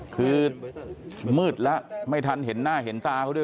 คือมืดแล้วไม่ทันเห็นหน้าเห็นตาเขาด้วย